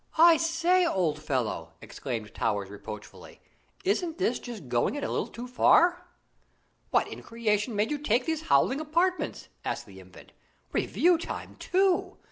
"I say, old fellow," exclaimed Towers reproachfully, "isn't this just going it a little too far?" "What in creation made you take these howling apartments?" asked the Infant. "Review time, too!